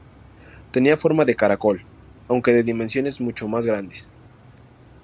Tenía forma de caracol, aunque de dimensiones mucho más grandes.